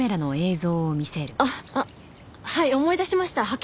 あっはい思い出しました。